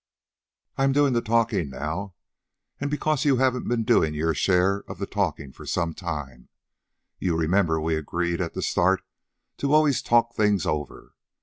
"I'm doing the talking now, and because you haven't been doing your share of the talking for some time. You remember we agreed at the start to always talk things over.